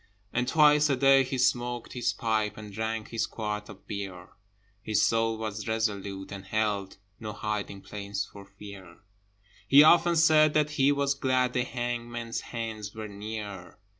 And twice a day he smoked his pipe, And drank his quart of beer: His soul was resolute, and held No hiding place for fear; He often said that he was glad The hangman's hands were near.